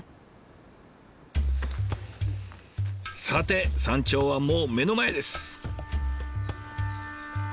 さて山頂はもう目の前です。